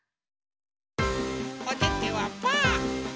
おててはパー。